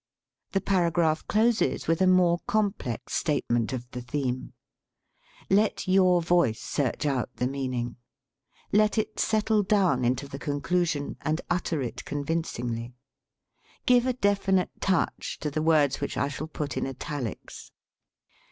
The paragraph closes with a more complex statement of the theme. Let your voice search out the meaning. Let it set tle down into the conclusion, and utter it convincingly. Give a definite touch to the words which I shall put in italics.